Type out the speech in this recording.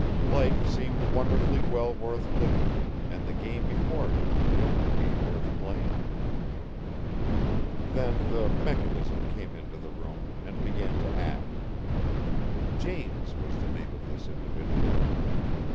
Life seemed wonderfully well worth living, and the game before him the only game worth playing. Then the Mechanism came into the room and began to act. James was the name of this individual.